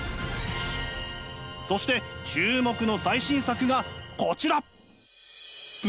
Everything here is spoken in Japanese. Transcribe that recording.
そして注目の最新作がこちら！